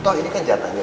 toh ini kan jatahnya